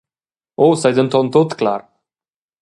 Uss ei denton tut clar!